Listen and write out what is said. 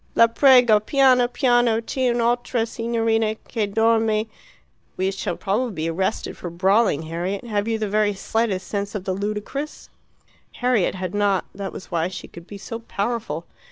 "La prego piano piano c e un' altra signorina che dorme " "We shall probably be arrested for brawling, Harriet. Have you the very slightest sense of the ludicrous?" Harriet had not; that was why she could be so powerful.